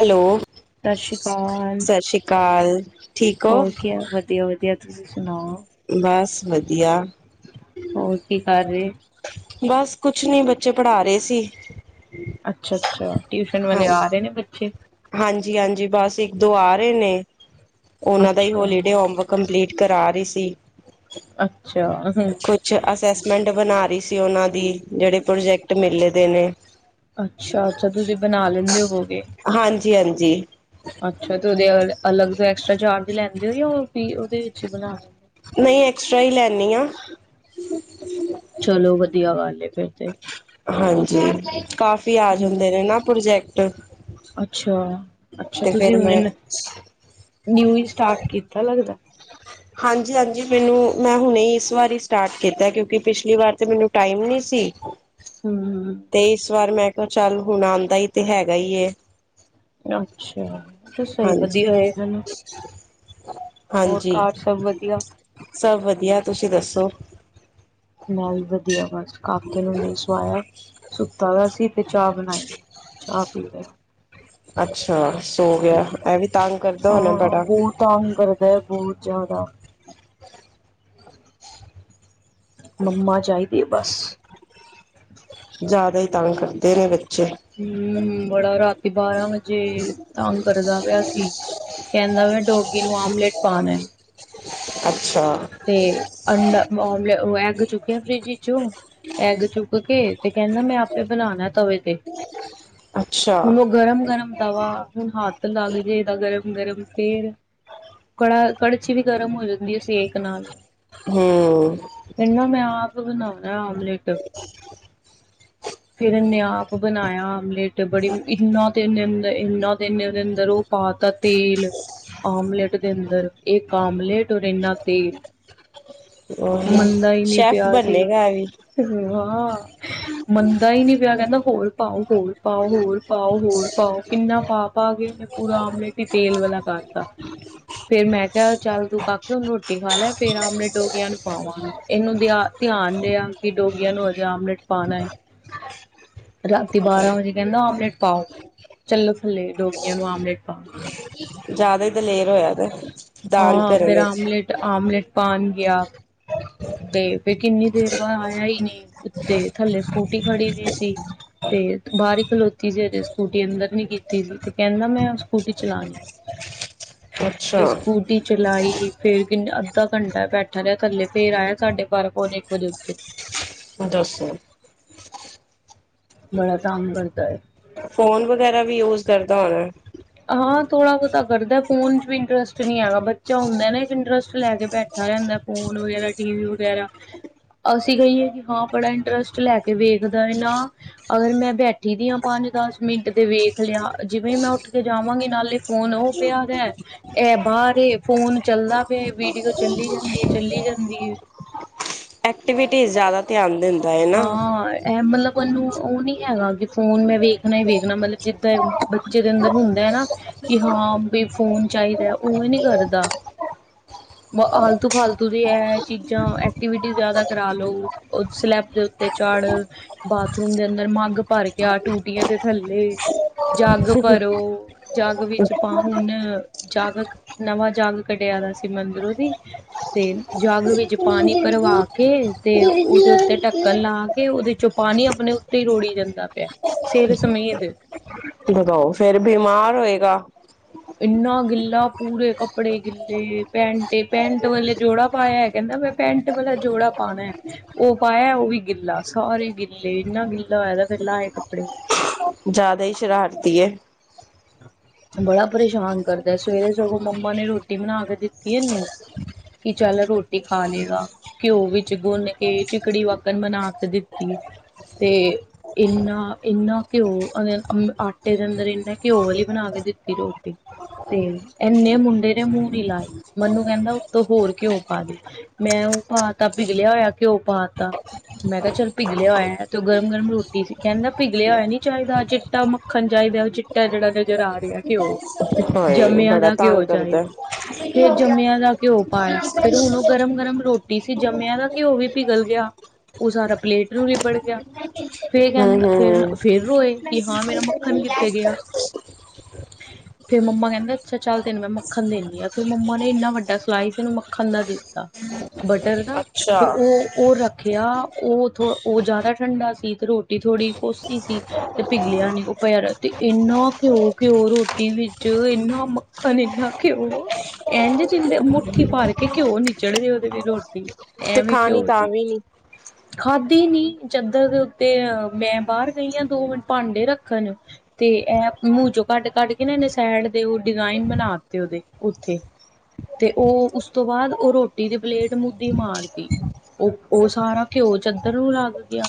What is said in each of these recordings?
Hello, ਸਤਿ ਸ੍ਰੀ ਅਕਾਲ, ਸਤਿ ਸ਼੍ਰੀ ਅਕਾਲ, ਠੀਕ ਹੋ? ਹੋਰ ਕੀ ਵਧੀਆ, ਵਧੀਆ। ਤੁਸੀਂ ਸੁਣਾਓ? ਬਸ, ਵਧੀਆ। ਹੋਰ ਕੀ ਕਰ ਰਹੇ? ਬਸ ਕੁਛ ਨਹੀਂ, ਬੱਚੇ ਪੜ੍ਹਾ ਰਹੇ ਸੀ। ਅੱਛਾ ਅੱਛਾ, ਟਿਊਸ਼ਨ ਵਾਲੇ ਆ ਰਹੇ ਨੇ ਬੱਚੇ? ਹਾਂਜੀ ਹਾਂਜੀ, ਬਸ ਇੱਕ ਦੋ ਆ ਰਹੇ ਨੇ, ਉਹਨਾਂ ਦਾ ਹੀ ਅੱਛਾ ਹੋਲੀਡੇ ਹੋਮ ਵਰਕ ਕੰਪਲੀਟ ਕਰਾ ਰਹੀ ਸੀ। ਅੱਛਾ, ਹਮ। ਕੁਛ ਅਸੈਸਮੈਂਟ ਬਣਾ ਰਹੀ ਸੀ ਉਹਨਾਂ ਦੀ, ਜਿਹੜੇ ਪ੍ਰੋਜੈਕਟ ਮਿਲੇ ਦੇ ਨੇ। ਅੱਛਾ ਅੱਛਾ, ਤੁਸੀਂ ਬਣਾ ਲੈਂਦੇ ਹੋਗੇ? ਹਾਂਜੀ, ਹਾਂਜੀ। ਅੱਛਾ, ਤੇ ਉਹਦੇ ਅਲੱਗ ਤੋਂ ਐਕਸਟਰਾ ਚਾਰਜ ਲੈਂਦੇ ਹੋ ਜਾਂ ਉਹ ਉਹਦੇ ਵਿੱਚ ਬਣਾ ਲੈਂਦੇ ਨਹੀਂ, ਐਕਸਟਰਾ ਹੀ ਲੈਂਦੀ ਹਾਂ। ਚਲੋ, ਵਧੀਆ ਗੱਲ ਏ ਫੇਰ ਤੇ। ਹਾਂਜੀ, ਕਾਫੀ ਆ ਜਾਂਦੇ ਨੇ ਹਮ ਨਾ ਪ੍ਰੋਜੈਕਟ। ਅੱਛਾ, ਅੱਛਾ ਤੇ ਤੁਸੀਂ ਫੇਰ ਹੁਣੇ ਮੈਂ ਨਿਊ ਹੀ, ਸਟਾਰਟ ਕੀਤਾ ਲੱਗਦਾ? ਹਾਂਜੀ ਹਾਂਜੀ, ਮੈਨੂੰ ਮੈਂ ਹੁਣੇ ਇਸ ਵਾਰ ਹੀ ਸਟਾਰਟ ਕੀਤਾ, ਕਿਉਂਕਿ ਪਿਛਲੀ ਵਾਰ ਤੇ ਮੈਨੂੰ ਟਾਈਮ ਨਹੀਂ ਸੀ। ਹਮ, ਹਮ। ਤੇ ਇਸ ਵਾਰ ਮੈਂ ਕਿਹਾ ਚੱਲ, ਹੁਣ ਆਉਂਦਾ ਹੀ ਤੇ ਹੈਗਾ। ਅੱਛਾ, ਸਹੀ ਹਾਂਜੀ ਵਧੀਆ ਹੋਏ, ਹਨਾ। ਹੋਰ ਹਾਂਜੀ, ਘਰ ਸਭ ਵਧੀਆ ਸਭ ਵਧੀਆ, ਤੁਸੀਂ ਦੱਸੋ? ਮੈਂ ਵੀ ਵਧੀਆ ਬਸ, ਕਾਕੇ ਨੂੰ ਹੁਨੇ ਹੀ ਸਵਾਇਆ। ਸੁੱਤਾ ਦਾ ਸੀ ਤੇ ਚਾਹ ਬਣਾਈ, ਚਾਹ ਪੀ ਲਏ ਅੱਛਾ ਸੋ ਗਿਆ ਇਹ ਵੀ ਤੰਗ ਕਰਦਾ ਹੋਣਾ ਹਾਂ ਬੜਾ। ਬਹੁਤ ਤੰਗ ਕਰਦਾ ਹੈ ਬੌਤ ਜਾਦਾ। ਮੰਮਾ ਚਾਹੀਦੀ ਏ ਬਸ। ਜਾਦਾ ਹੀ ਤੰਗ ਕਰਦੇ ਨੇ ਬੱਚੇ। ਹੂੰ ਬੜਾ ਰਾਤੀ ਬਾਰਾਂ ਵਜੇ ਤੰਗ ਕਰਦਾ ਪਿਆ ਸੀ। ਕਹਿੰਦਾ ਮੈਂ ਡੋਗੀ ਨੂੰ ਆਮਲੇਟ ਪਾਨਾ। ਅੱਛਾ ਤੇ ਅੰਡਾ ਮਲੇ ਉਹ ਐਗ ਚੁੱਕਿਆ ਫਰਿਜ ਵਿੱਚੋ। ਐਗ ਚੁੱਕ ਕੇ ਤੇ ਕਹਿੰਦਾ ਮੈਂ ਆਪੇ ਬਣਾਣਾ ਤਵੇ ਤੇ। ਅੱਛਾ ਹੁਣ ਉਹ ਗਰਮ-ਗਰਮ ਤਵਾ ਹੁਣ ਹੱਥ ਲੱਗ ਜੇ ਏਦਾ ਗਰਮ- ਗਰਮ ਫੇਰ। ਕੜਾ ਕੜਛੀ ਵੀ ਗਰਮ ਹੋ ਜਾਂਦੀ ਹੈ ਸੇਕ ਨਾਲ। ਹੂੰ ਕਹਿੰਨਾ ਮੈਂ ਆਪ ਬਣਾਣਾ ਆਮਲੇਟ ਫਿਰ ਇਨੇ ਆਪ ਬਣਾਇਆ ਆਮਲੇਟ ਬੜੀ ਇੰਨਾ ਨੇ ਅੰ ਇਨਾਂ ਦਿਨ ਦੇ ਅੰਦਰ ਉਹ ਪਾ ਤਾ ਤੇਲ। ਆਮਲੇਟ ਦੇ ਅੰਦਰ ਇੱਕ ਆਮਲੇਟ ਔਰ ਇਨਾਂ ਤੇ ਉਹੀ ਮੰਦਾ ਹੀ ਨੀ ਸ਼ੈਫ ਪਿਆ ਸੀ। ਬੰਨੇਗਾ ਇਹ ਵੀ ਹਾਂ ਮੰਦਾ ਹੀ ਨੀ ਪਿਆ ਕਹਿੰਦਾ ਹੋਰ ਪਾਓ ਹੋਰ ਪਾਓ, ਹੋਰ ਪਾਓ, ਹੋਰ ਪਾਓ ਕਿੰਨਾ ਪਾ-ਪਾ ਕੇਨੇ ਪੂਰਾ ਆਮਲੇਟ ਹੀ ਤੇਲ ਵਾਲਾ ਕਰ ਹਾਂ। ਫੇਰ ਮੈਂ ਕਿਹਾ ਚੱਲ ਤੂੰ ਕਾਕੇ ਉਹਨੂੰ ਰੋਟੀ ਖਾ ਲੈ, ਫੇਰ ਆਮਣੇ ਡੋਗੀਆਂ ਨੂੰ ਪਾਵਾਂਗੀ ਇਹਨੂੰ ਦਿਆ ਧਿਆਨ ਰਿਹਾ ਕਿ ਡੋਗਿਆਂ ਨੂੰ ਹਜੇ ਆਮਲੇਟ ਪਾਨਾ ਏ। ਰਾਤੀ ਬਾਰਾਂ ਵਜੇ ਕਹਿੰਦਾ ਆਮਲੇਟ ਪਾਓ ਚੱਲੋ ਥੱਲੇ ਡੋਗੀਆਂ ਨੂੰ ਆਮਲੇਟ ਪਾਓ। ਜਾਦਾ ਹੀ ਦਲੇਰ ਹੋਇਆ ਦੈ ਦਾਨ ਹਾਂ ਕਰਨ ਫੇਰ ਇਚ। ਆਮਲੇਟ ਆਮਲੇਟ ਪਾਨ ਗੇਆ। ਤੇ ਫੇਰ ਕਿੰਨੀ ਦੇਰ ਬਾਦ ਆਇਆ ਹੀ ਨਈ ਉਤੇ ਥੱਲੇ ਸਕੂਟੀ ਖੜੀ ਦੀ ਸੀ। ਤੇ ਬਾਰ ਹੀ ਖਲੋਤੀ ਸੀ ਅਜੇ ਸਕੂਟੀ ਅੰਦਰ ਨਹੀ ਕੀਤੀ ਸੀ ਤੇ ਕਹਿੰਦਾ ਮੈਂ ਸਕੂਟੀ ਚਲਾਨੀ [inaudible] ਫੇਰ ਅੱਛਾ ਸਕੂਟੀ ਚਲਾਈ ਫੇਰ ਕਿਨਾਂ ਅੱਧਾ ਘੰਟਾ ਬੈਠਾ ਰਿਹਾ ਥਲੇ ਫੇਰ ਆਇਆ ਸਾਡੇ ਬਾਰਾਂ ਪੌਨੇ ਇੱਕ ਵਜੇ ਉੱਤੇ। ਦੱਸੋ। ਬੜਾ ਤਂਗ ਕਰਦਾ ਏ। ਫੋਨ ਵਗੈਰਾ ਵੀ ਯੂਜ਼ ਕਰਦਾ ਹੋਣੈ? ਹਾਂ, ਥੋੜਾ ਬੋਤਾ ਕਰਦੈ ਫੋਨ ਚ ਵੀ ਇੰਟਰਸਟ ਨੀ ਹੈਗਾ ਬੱਚਾ ਹੁੰਦਾ ਨਾ ਇੱਕ ਇੰਟਰਸਟ ਲੈ ਕੇ ਬੈਠਾ ਰਹਿੰਦਾ ਫੋਨ ਵਗੈਰਾ, ਟੀ ਵੀ ਵਗੈਰਾ ਅਸੀਂ ਕਹੀਏ ਕਿ ਹਾਂ ਬੜਾ ਇੰਟਰਸਟ ਲੈ ਕੇ ਵੇਖਦਾ ਏ ਨਾ। ਅਗਰ ਮੈਂ ਬੈਠੀ ਦੀ ਆਂ ਪੰਜ ਦਸ ਮਿੰਟ ਤੇ ਵੇਖ ਲਿਆ ਜਿਵੇਂ ਮੈਂ ਉਠ ਕੇ ਜਾਵਾਂਗੀ ਨਾਲੇ ਫੋਨ ਉਹ ਪਿਆ ਦੇ। ਇਹ ਬਾਰ ਏ ਫੋਨ ਚੱਲਦਾ ਪਿਆ ਵੀਡੀਓ ਚੱਲੀ ਜਾਂਦੀ ਏ ਚੱਲੀ ਜਾਂਦੀ ਏ। ਐਕਟੀਵਿਟੀਜ਼ ਜਾਦਾ ਧਿਆਨ ਦਿੰਦਾ ਏ। ਹਾਂ ਇਹ ਮਤਲਬ ਉਹਨੂੰ ਉਹ ਨੀ ਹੈਗਾ ਕਿ ਫ਼ੋਨ ਮੈਂ ਵੇਖਣਾ ਹੀ ਵੇਖਣਾ ਮਤਲਬ ਜਿੱਦਾਂ ਬੱਚੇ ਦੇ ਅੰਦਰ ਹੁੰਦਾ ਹੈ ਨਾ ਕਿ ਹਾਂ ਬਈ ਫੋਨ ਚਾਹੀਦਾ ਉਵੇ ਨੀ ਕਰਦਾ। ਆਲਤੂ ਫਾਲਤੂ ਦੀ ਇਹ ਚੀਜ਼ਾਂ ਐਕਟੀਵਿਟੀ ਜ਼ਿਆਦਾ ਕਰਾ ਲੋ ਸਲੈ ਦੇ ਉੱਤੇ ਚਾੜ ਬਾਥਰੂਮ ਦੇ ਅੰਦਰ ਮੱਗ ਭਰ ਗਿਆ ਟੂਟੀਆਂ ਦੇ ਥੱਲੇ ਜੱਗ ਭਰੋ ਜੱਗ ਵਿੱਚ ਪਾ ਹੁਣ ਜਗ ਨਵਾਂ ਜਗ ਕਢਿਆਦਾ ਸੀ ਮੈ ਅਦਿਰੋ ਦੀ ਤੇ ਜਗ ਵਿਚ ਪਾਣੀ ਭਰਵਾ ਕੇ ਤੇ ਉਹਦੇ ਉੱਤੇ ਟੱਕ ਲਾ ਕੇ ਉਹਦੇ ਚੋਂ ਪਾਣੀ ਆਪਣੇ ਉੱਤੇ ਹੀ ਰੋੜੀ ਜਾਂਦਾ ਪਿਆ ਸਿਰ ਸਮੇਤ ਵਦਾਓ ਫੇਰ ਬਿਮਾਰ ਹੋਏਗਾ ਇੰਨਾ ਗਿੱਲਾ ਪੂਰੇ ਕੱਪੜੇ ਗਿੱਲੇ ਪੈਂਟ ਪੈਂਟ ਵੇਲੇ ਜੋੜਾ ਪਾਇਆ ਕਹਿੰਦਾ ਮੈ ਪੈਂਟ ਵਾਲਾ ਜੋੜਾ ਪਾਣਾ ਹੈ ਉਹ ਪਾਇਆ ਉਹ ਵੀ ਗਿੱਲਾ ਸਾਰੇ ਗਿੱਲੇ ਇੰਨਾ ਗਿੱਲਾ ਹੋਇਆਦਾ ਫੇ ਲਾਏ ਕੱਪੜੇ ਜ਼ਿਆਦਾ ਹੀ ਸ਼ਰਾਰਤੀ ਹੈ ਬੜਾ ਪਰੇਸ਼ਾਨ ਕਰਦਾ ਸਵੇਰੇ ਸਗੋਂ ਮੰਮਾ ਨੇ ਰੋਟੀ ਬਣਾ ਕੇ ਦਿੱਤੀ ਇਹਨੂੰ ਕਿ ਚੱਲ ਰੋਟੀ ਖਾ ਲਏਗਾ ਘਿਓ ਵਿੱਚ ਗੁੰਨ ਕੇ ਚਿਕੜੀ ਵਕਣ ਮਨਾ ਕੇ ਦਿੱਤੀ ਤੇ ਇਨਾ ਇੰਨਾ ਘਿਓ ਆਟੇ ਦੇ ਅੰਦਰ ਇੰਨਾ ਘਿਓ ਵਾਲੇ ਬਣਾ ਕੇ ਦਿੱਤੀ ਰੋਟੀ ਤੇ ਇੰਨੇ ਮੁੰਡੇ ਨੇ ਮੂੰਹ ਨੀ ਲਾਏ ਮੈਨੂੰ ਕਹਿੰਦਾਤੋਂ ਹੋਰ ਕਿਉਂ ਪਾ ਦੇ ਮੈਂ ਉਹ ਪਾ ਤਾ ਪਿਘਲਿਆ ਹੋਇਆ ਘਿਓ ਪਾ ਤਾ ਮੈਂ ਕਿਹਾ ਚੱਲ ਪਿਘਲਿਆ ਹੋਇਆ ਤੇ ਗਰਮ ਗਰਮ ਰੋਟੀ ਸੀ ਕਹਿੰਦਾ ਪਿਘਲਿਆ ਹੋਇਆ ਨੀ ਚਾਹੀਦਾ ਚਿੱਟਾ ਦੱਖਣ ਚਾਹੀਦਾ ਉਹ ਚਿੱਟਾ ਜਿਹੜਾ ਨਜ਼ਰ ਆ ਰਿਹਾ ਘਿਓ ਹਾਏ ਜੰਮਿਆਂ ਬੜਾ ਦਾ ਘਿਓ ਤੰਗ ਕਰਦਾ ਚਾਹੀਦਾ ਫੇਰ ਜੰਮਿਆਂ ਦਾ ਘਿਓ ਪਾਇਆ ਫੇਰ ਹੁਣ ਉਹ ਗਰਮ ਗਰਮ ਰੋਟੀ ਟੀ ਸੀ ਜੰਮਿਆ ਦਾ ਕਿਓ ਵੀ ਪਿਘਲ ਗਿਆ ਉਹ ਸਾਰਾ ਪਲੇਟ ਨੂੰ ਲਿਬੜ ਗਿਆ ਫੇਰ ਹੂੰ ਕਹਿੰਦਾ ਫਿਰ ਹੂੰ ਫੇਰ ਰੋਏ ਕਿ ਹਾਂ ਮੇਰਾ ਮੱਖਣ ਕਿੱਤੇ ਗਿਆ ਫੇਰ ਮੰਮਾ ਕਹਿੰਦੇ ਅੱਛਾ ਚੱਲ ਤੈਨੂੰ ਮੈਂ ਮੱਖਣ ਦਿੰਦੀ ਹ ਫੇਰ ਮੰਮਾ ਨੇ ਇੰਨਾ ਵੱਡਾ ਸਿਈ ਸੀ ਇਹਨੂੰ ਮੱਖਣ ਦਾ ਦਿੱਤਾ ਬਟਰ ਦਾ ਅੱਛਾ ਤੇ ਉਹ ਉਹ ਰੱਖਿਆ ਉਹ ਥੋ ਉਹ ਜ਼ਿਆਦਾ ਠੰਡਾ ਸੀ ਅਤੇ ਰੋਟੀ ਥੋੜ੍ਹੀ ਕੋਸੀ ਸੀ ਤੇ ਭਿਘਲਿਆ ਨਿ ਉਹ ਪਿਆ ਰੀਆ ਤੇ ਇੰਨਾ ਘਿਓ ਰੋਟੀ ਵਿੱਚ ਇੰਨਾ ਮੱਖਣ ਇਨਾ ਘਿਓ ਇਝ ਜਿੰਦੇ ਮੁੱਠੀ ਭਰ ਕੇ ਘਿਓ ਨਚੜਦੇ ਉਹਦੇ ਵੀ ਰੋਟੀ ਤੇ ਐਵੇਂ ਖਾਣੀ ਕਿਉਂ ਤਾਂ ਸੀ ਵੀ ਨੀ ਖਾਧੀ ਨੀ ਚਾਦਰ ਦੇ ਉੱਤੇ ਮੈਂ ਬਾਹਰ ਗਈ ਹਾਂ ਦੋ ਮਿੰਟ ਭਾਂਡੇ ਰੱਖਣ ਤੇ ਐਪ ਮੂੰਹ ਚੋਂ ਕੱਢ ਕੱ ਕੇ ਨਾ ਇਹਨੇ ਸੈਡ ਦੇ ਉਹ ਡਿਜ਼ਾਇਨ ਬਣਾ ਦਿੱਤੇ ਉਹਦੇ ਉੱਥੇ ਤੇ ਉਹ ਉਸ ਤੋਂ ਬਾਅਦ ਉਹ ਰੋਟੀ ਦੀ ਪਲੇਟ ਮਦੀ ਮਾਰਤੀਈ ਉਹ ਉਹ ਸਾਰਾ ਘਿਓ ਚਾਦਰ ਨੂੰ ਲੱਗ ਗਿਆ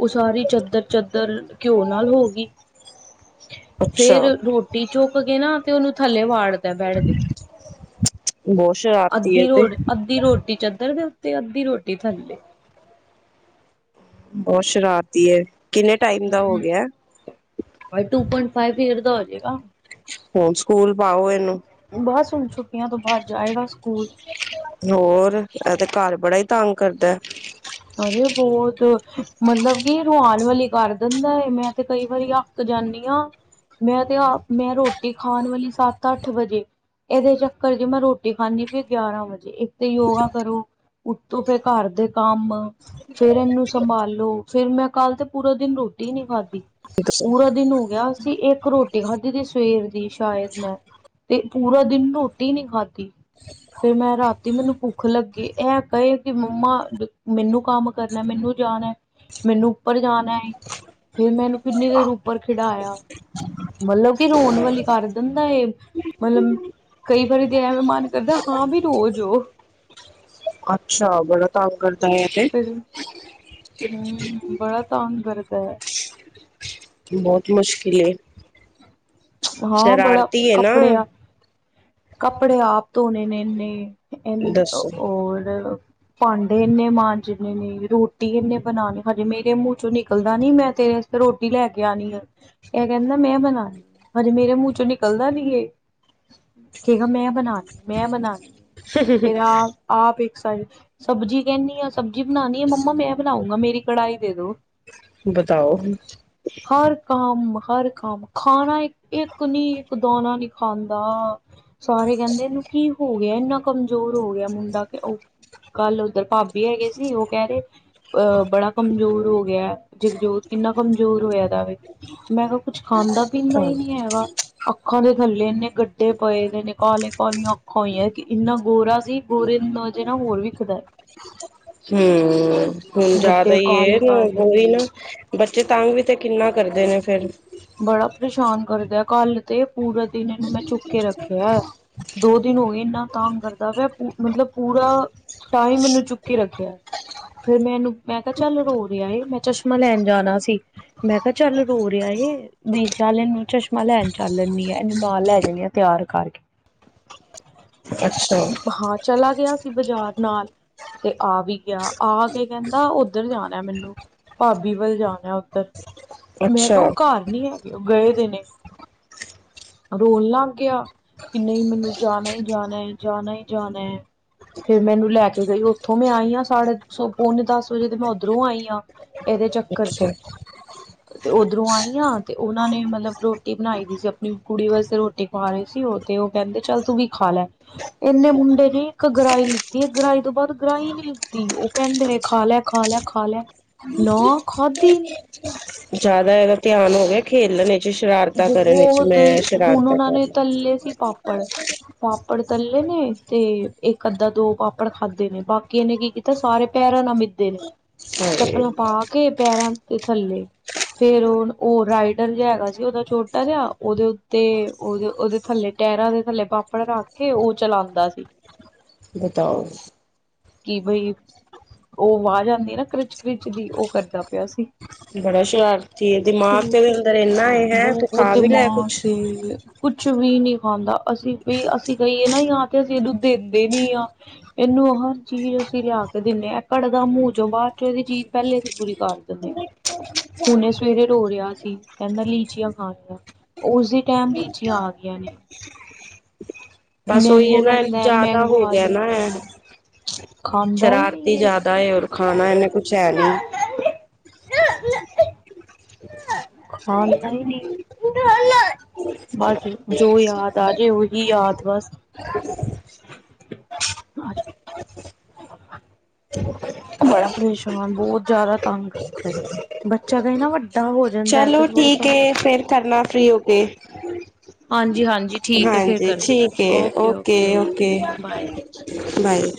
ਉ ਸਾਰੀ ਚਦਰ ਚਦਰ ਘਿਓ ਨਾਲ ਹੋ ਗਈ ਅੱਛਾ ਫੇਰ ਰੋਟੀ ਚੁੱਕ ਗਏ ਨਾ ਤੇ ਉਹਨੂੰ ਥੱਲੇ ਵਾੜਦਾ ਬੈਡ ਦੇ ਬਹੁਤ ਸ਼ਰਾਰਤੀ ਏ ਅੱਧੀ ਰੋ ਤੇ ਅੱਧੀ ਰੋਟੀ ਚਦਰ ਦੇ ਉੱਤੇ ਅੱਧੀ ਰੋਟੀ ਥੱਲੇ ਬਹੁਰ ਸ਼ਰਾਰਤੀ ਹੈ ਕਿੰਨੇ ਟਾਈਮ ਦਾ ਹੋ ਹਮ ਗਿਆ ਟੂ ਪੁਇੰਟ ਫਾਈਵ ਯੀਅਰ ਦਾ ਹੋ ਜਾਏਗਾ ਹੁਣ ਸਕੂਲ ਪਾਓ ਇਹਨੂੰ ਬਸ ਹੁਣ ਛੁੱਟੀਆਂ ਤੋਂ ਬਾਅਦ ਜਾਏਗਾ ਸਕੂਲ ਹੋਰ ਇਹ ਤੇ ਘਰ ਬੜਾ ਹੀ ਤੰਗ ਕਰਦਾ [unintelligible] ਅ ਬਹੁਤ ਮਤਲਬ ਕਿ ਰੁਆਾਨ ਵਾਲੀ ਕਰ ਦਿੰਦਾ ਹੈ ਮੈਂ ਤੇ ਕਈ ਵਾਰੀ ਆ ੱਕ ਜਾਂਦੀ ਹਾਂ ਮੈਂ ਤੇ ਮੈਂ ਰੋਟੀ ਖਾਣ ਵਾਲੀ ਸੱਤ ਅੱਠ ਵਜੇ ਇਹਦੇ ਚੱਕਰ'ਚ ਮੈਂ ਰੋਟੀ ਖਾਂਨੀ ਪਈ ਆਂ, ਗਿਆਰਾਂ ਵਜੇ ਇੱਕ ਤੇ ਯੋਗਾ ਕਰੋ, ਉੱਤੋਂ ਫੇਰ ਘਰ ਦੇ ਕੰਮ ਫੇਰ ਇਹਨੂੰ ਸੰਭਾਲੋ, ਫੇਰ ਮੈਂ ਕੱਲ ਤੇ ਪੂਰਾ ਦਿਨ ਰੋਟੀ ਨਹੀਂ ਖਾਧੀ। ਪੂਰਾ ਦਿਨ ਹੋਗਿਆ ਸੀ, ਇੱਕ ਰੋਟੀ ਖਾਧੀ ਸੀ ਸਵੇਰ ਦੀ ਸ਼ਾਇਦ ''ਮੈਂ ਤੇ ਪੂਰਾ ਦਿਨ ਰੋ ਤੀ ਨਹੀਂ ਖਾਧੀ, ਫਿਰ ਮੈਂ ਰਾਤੀ ਮੈਨੂੰ ਭੁੱਖ ਲੱਗੀ, ਐ ਪਏ ਕਿ ਮੰਮਾ, ਮੈਨੂੰ ਕੰਮ ਕਰਨਾ, ਮੈਨੂੰ ਜਾਣਾ, ਮੈਨੂੰ ਉੱਪਰ ਜਾਣਾ ਫਿਰ, ਮੈ ਇਹਨੂੰ ਕਿੰਨੀ ਦੇਰ ਉੱਪਰ ਖਿਡਾਇਆ। ਮਤਲਬ ਕਿ ਰੋਣ ਵਾਲੀ ਕਰ ਦਿੰਦਾ ਏ, ਮਤਲਬ ਕਈ ਵਾਰੀ ਤੇ ਐਵੀ ਮਨ ਕਰਦਾ, ਹਾਂ ਵੀ ਰ੍ਹੋਜੋ। ਅੱਛਾ, ਬੜਾ ਤੰਗ ਕਰਦਾ ਐ ਤੇ। ਫਿਰ ਹੂੰ, ਬੜਾ ਤੰਗ ਕਰਦੈ। ਬਹੁਤ ਮੁਸ਼ਕਿਲ ਏ, ਹਾਂ ਬੜਾ ਸ਼ਰਾਰਤੀ ਏ ਨਾ। ਕੱਪੜਿਆਂ ਕੱਪੜੇ ਆਪ ਧੋਣੇ ਨੇ ਇੰਨੇ, ਏ ਦੱਸੋ ਓਰ ਭਾਂਡੇ ਇੰਨੇ ਮਾੰਜਨੇ ਨੇ, ਰੋਟੀ ਇੰਨੇ ਬਣਾਣੀ ਹਜੇ ਮੇਰੇ ਮੂੰਹ'ਚੋਂ ਨਿਕਲਦਾ ਨੀ, ਮੈਂ ਤੇਰੇ ਰੋਟੀ ਲੈਕੇ ਆਣੀ ਆ, ਇਹ ਕਹਿੰਦਾ ਮੈਂ ਬਣਾਣ ਹਜ ਮੇਰੇ ਮੂੰਹ'ਚੋਂ ਨਿਕਲਦਾ ਨੀ, ਇਹ ਕੇਗਾ ਮੈਂ ਬਣਾਨ ਮੈਂ ਬਨਾਨੀ। ਫਿਰ ਆਪ, ਆਪ ਇੱਕ ਸਾਈਡ ਸਬਜ਼ੀ ਕਹਿੰਨੀ ਆ, ਸਬਜ਼ੀ ਬਣਾਣੀ ਏ, ਮੰਮਾ ਮੈਂ ਬਣਾਉਂਗਾ ਮੇਰੀ ਕੜਾਹੀ ਦੇਦੋ। [inaudible] ਹਰ ਕੰਮ, ਹਰ ਕੰਮ, ਖਾਣਾ ਇੱਕ ਇੱਕ ਨੀ, ਇੱਕ ਦਾਣਾ ਨੀ ਖਾਂਦਾ, ਸਾਰੇ ਕਹਿੰਦੇ ਇਹਨੂੰ ਕੀ ਹੋਗਿਆ, ਇੰਨਾ ਕਮਜ਼ੋਰ ਹੋਗਿਆ ਮੁੰਡਾ ਕਿ ਉਹ ਕੱਲ ਉੱਧਰ ਭਾਬੀ ਹੈਗੇ ਸੀ, ਉਹ ਕਹਿ ਰਹੇ ਅਹ ਬੜਾ ਕਮਜ਼ੋਰ ਹੋਗਿਆ, ਜਗਜੋਤ ਕਿੰਨਾ ਕਮਜ਼ੋਰ ਹੋਇਆ ਦਾ ਵੇ, ਮੈਂ ਕਿਹਾ ਕੁਛ ਖਾਂਦਾ-ਪੀਂਦਾ ਹੀ ਨਹੀਂ ਹੈਗਾ। ਅੱਖਾਂ ਦੇ ਥੱਲੇ ਇੰਨੇ ਗੱਡੇ ਪਏਦੇ ਨੇ, ਕਾਲੇ ਕਾਲੀਆਂ ਅੱਖਾਂ ਹੋਈਆਂ, ਕਿ ਇੰਨਾ ਗੋਰਾ ਸੀ। ਗੋਰੇ ਨੂੰ ਜਿਹੜਾ ਹੋਰ ਵੀਖਦਾ‌। ਹੂੰ, ਹੁਣ ਜ਼ਿਆਦਾ ਗੱਡੇ ਹੀ ਏ, ਕਾਲੇ ਕਾਲੇ ਓਈ ਨਾ ਬੱਚੇ ਤੰਗ ਵੀ ਤੇ, ਕਿੰਨਾ ਕਰਦੇ ਨੇ ਫਿਰ। ਬੜਾ ਪਰੇਸ਼ਾਨ ਕਰਦਾ, ਕੱਲ ਤੇ ਪੂਰਾ ਦਿਨ ਇਹਨੂੰ ਮੈਂ ਚੁੱਕਕੇ ਰੱਖਿਆ। ਦੋ ਦਿਨ ਹੋ ਗਏ ਇੰਨਾ ਤੰਗ ਕਰਦਾ ਪਿਆ, ਮਤਲਬ ਪੂਰਾ ਤਾਂ ਹੀ ਮੈਨੂੰ ਚੁੱਕੀ ਰੱਖਿਆ। ਫਿਰ ਮੈ ਇਹਨੂੰ, ਮੈਂ ਕਿਹਾ ਚੱਲ ਰੋ ਰਿਹਾ ਏ, ਮੈਂ ਚਸ਼ਮਾ ਲੈਣ ਜਾਣਾ ਸੀ। ''ਮੈਂ ਕਿਹਾ ਚੱਲ ਰੋ ਰਿਹਾ ਏ ਵੀ ਚੱਲ ਇਹਨੂੰ ਚਸ਼ਮਾ ਲੈਣ ਚੱਲ ਲੈਂਨੀ ਆ, ਇਹਨੂੰ ਨਾਲ ਲੈ ਜਾਂਨੀ ਆ, ਤਿਆਰ ਕਰਕੇ। ਅੱਛਾ ਹਾ, ਚਲਾ ਗਿਆ ਸੀ ਬਜ਼ਾਰ ਨਾਲ। ਤੇ ਆਵੀ ਗਿਆ, ਆਕੇ ਕਹਿੰਦਾ ਉੱਧਰ ਜਾਣਾ ਮੈਨੂੰ। ਭਾਬੀ ਵੱਲ ਜਾਣਾ ਉੱਧਰ, ਮੈਂ ਅੱਛਾ ਕਿਹਾ ਉਹ ਘਰ- ਨਹੀਂ ਹੈਗੇ, ਓ ਗਏਦੇ ਨੇ, ਰੋਨ ਲੱਗ ਗਿਆ। ਕਿ ਨਹੀਂ, ਮੈਨੂੰ ਜਾਨਾ ਹੀ ਜਾਨਾ ਏਂ, ਜਾਨਾ ਹੀ ਜਾਨਾ ਐ। ਫਿਰ ਮੈਨੂੰ ਲੈਕੇ ਗਈ, ਉੱਥੋਂ ਮੈਂ ਆਈ ਹਾਂ ਸਾਡੇ ਸ ਪੋਨੇ-ਦਸ ਵਜੇ ਤੇ ਮੈਂ ਉੱਧਰੋਂ ਆਈ ਆ। ਇਹਦੇ ਚੱਕਰ'ਚ, ਅੱਛਾ ਤੇ ਉੱਧਰੋਂ ਆਈਆਂ ਤੇ ਉਹਨਾਂ ਨੇ ਮਤਲਬ, ਰੋਟੀ ਬਣਾਈ ਦੀ ਸੀ ਆਪਣੀ ਕੁੜੀ ਵਾਸਤੇ ਰੋਟੀ ਖਵਾ ਰਹੀ ਸੀ ਉਹ ਤੇ, ਉਹ ਕਹਿੰਦੇ ਚੱਲ ਤੂੰ ਵੀ ਖਾਲੈ। ਇੰਨੇ ਮੁੰਡੇ ਨੇ ਇੱਕ ਗਰਾਈ ਲਿੱਤੀ ਐ ਗਰਾਈ ਤੋਂ ਬਾਅਦ ਗਰਾਈ ਨੀ ਲਿੱਤੀ ਓ ਕਹਿੰਦੇ ਨੇ ਖਾ ਲੈ ਖਾ ਲੈ- ਖਾ ਲੈ ਨਾ ਖਾਦੀ। ਜ਼ਿਆਦਾ ਇਹਦਾ ਧਿਆਨ ਹੋ ਗਿਆ ਖੇਲਣੇ ਸ਼ਰਾਰਤਾ ਕਰਨ ਵਿੱਚ ਬਹੁਤ ਮੈਂ ਹੁਣ ਸ਼ਰਾਰਤਾ ਉਹਨਾਂ ਕਰ ਨੇ ਤੱਲੇ ਸੀ ਪਾਪੜ ਪਾਪੜ ਤਲਨੇ ਤੇ ਇੱਕ ਅੱਧਾ ਦੋ ਪਾਪੜ ਖਾਧੇ ਨੇ ਬਾਕੀ ਇਹਨੇ ਕੀ ਕੀਤੇ ਨੇ ਸਾਰੇ ਪੈਰਾਂ ਨਾਲ ਮਿੱਦੇ ਨੇ। ਹਾਏ ਚੱਪਲਾਂ ਪਾ ਕੇ ਪੈਰਾਂ ਦੇ ਥੱਲੇ ਫੇਰ ਓ ਓ ਰਾਈਡਰ ਜਾ ਹੈਗਾ ਸੀ। ਉਹਦਾ ਛੋਟਾ ਜਾ ਉਹਦੇ ਉੱਤੇ ਉਹਦੇ ਉਹਦੇ ਥੱਲੇ ਟੈਰਾਂ ਦੇ ਥੱਲੇ ਪਾਪੜ ਰੱਖ, ਕੇ ਓ ਚਲਾਂਦਾ ਸੀ। ਬਤਾਓ? ਕਿ ਬਈ ਓ ਆਵਾਜ਼ ਆਂਦੀ ਨਾ ਕ੍ਰਿਚ ਕ੍ਰਿਚ ਦੀ ਓ ਕਰਦਾ ਪਿਆ ਸੀ। ਬੜਾ ਸ਼ਰਾਰਤੀ ਦਿਮਾਗ ਤਾਂ ਏਦੇ ਅੰਦਰ ਐਨਾ ਏ ਹੈ ਤੂੰ ਬਹੁਤ ਖਾ ਵੀ ਲੈ ਕੁਛ। ਦਿਮਾਗ ਏ ਕੁਛ ਵੀ ਨੀ ਖਾਂਦਾ ਅਸੀਂ ਵੀ ਅਸੀਂ ਕਹੀਏ ਨਾ ਆ ਜਾਂ ਫੇਰ ਅਸੀਂ ਇਹਨੂੰ ਦੇਂਦੇ ਨੀ ਆ। ਇਹਨੂੰ ਹਰ ਚੀਜ਼ ਅਸੀਂ ਲਿਆ ਕੇ ਦੀਨੇ ਆ ਕੱਢਦਾ ਮੂੰਹ ਚੋਂ ਬਾਅਦ ਚੋਂ ਇਹਦੀ ਚੀਜ਼ ਪਹਿਲੇ ਏਦੀ ਪੂਰੀ ਕਰ। ਦਿੰਨੇ ਆ [inaudible] ਹੁਣੇ ਸਵੇਰੇ ਰੋ ਰਿਆ ਸੀ ਕਹਿੰਦਾ [unintelligible] ਲੀਚੀਆਂ ਖਾਣੀਆਂ ਉਸੀ ਟਾਈਮ ਲੀਚੀਆਂ ਆ ਗਈਆਂ ਨੇ। ਬਸ ਓਹੀ ਆ ਮੈਂਗੋ ਨਾ ਕਹਿੰਦਾ ਜ਼ਿਆਦਾ ਮੈਂਗੋ ਹੋ ਆ ਗਿਆ ਨਾ। ਜਾਂਦਾ ਖਾਂਦਾ ਹੀ ਸ਼ਰਾਰਤੀ ਨਹੀਂ ਇਹ ਜ਼ਿਆਦਾ ਏ ਔਰ ਖਾਣਾ ਇਹਨੇ ਕੁਛ ਹੈ ਨੀ। ਖਾਦਾਂ ਈ ਨੀ। ਬਸ ਜੋ ਯਾਦ ਆ ਜੇ ਉਹੀ ਯਾਦ ਬਸ। [inaudible] [inaudible] ਬੜਾ ਪਰੇਸ਼ਾਨ ਬਹੁਤ ਜ਼ਿਆਦਾ ਤੰਗ ਕਰਦਾ ਐ ਬੱਚਾ ਦੇ ਨਾ ਵੱਡਾ ਤਾਂ ਓ ਹੋ ਜਾਂਦਾ ਤਾਂ ਚਲੋ ਥੋੜ੍ਹਾ ਸਾ ਠੀਕ ਹੈ ਫਿਰ ਕਰਨਾ ਫ੍ਰੀ ਹੋਕੇ। ਹਾਂਜੀ ਹਾਂਜੀ। ਠੀਕ ਹੈ ਫਿਰ ਹਾਂਜੀ ਕਰਨੀ ਠੀਕ ਆ। ਐ ਓਕੇ ਓਕੇ ਬਾਏ। ਬਾਏ।